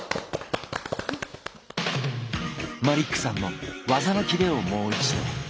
マリックさんの技のキレをもう一度。